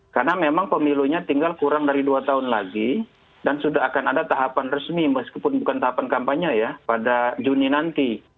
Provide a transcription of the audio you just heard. karena memang pemilunya tinggal kurang dari dua tahun lagi dan sudah akan ada tahapan resmi meskipun bukan tahapan kampanye ya pada juni nanti